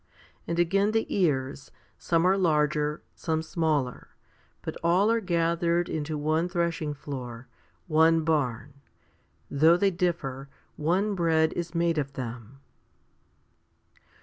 And again the ears, some are larger, some smaller, but all are gathered into one threshing floor, one barn ; though they differ, one bread is made of them.